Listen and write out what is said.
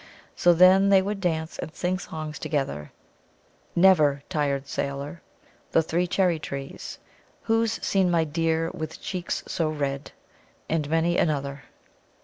So, then, they would dance and sing songs together "Never, tir'd Sailour," "The Three Cherrie trees," "Who's seene my Deere with Cheekes so redde?" and many another.